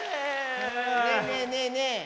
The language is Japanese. ねえねえねえねえ。